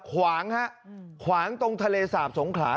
ขวางฮะขวางตรงทะเลสาบสงขลา